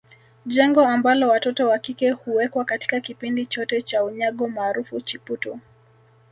Jengo ambalo watoto wa kike huwekwa katika kipindi chote cha unyago maarufu Chiputu